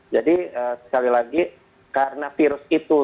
jadi sekali lagi karena virus itu